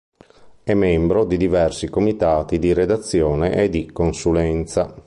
È membro di diversi comitati di redazione e di consulenza.